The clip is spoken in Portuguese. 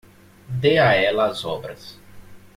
Dê a ela as obras.